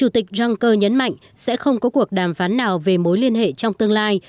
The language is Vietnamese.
ông juncker nhấn mạnh sẽ không có cuộc đàm phán nào về mối liên hệ trong tương lai